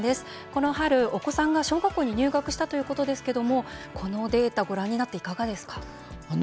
この春、お子さんが小学校に入学したということですけどもこのデータご覧になっていかがですか？